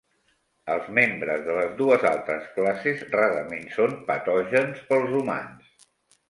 Els membres de les dues altres classes rarament són patògens pels humans.